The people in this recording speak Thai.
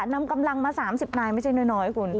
นำกำลังมา๓๐นายไม่ใช่น้อยคุณ